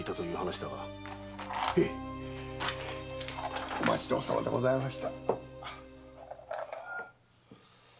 へいお待ちどうさまでございました。